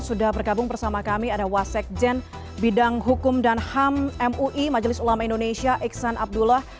sudah bergabung bersama kami ada wasekjen bidang hukum dan ham mui majelis ulama indonesia iksan abdullah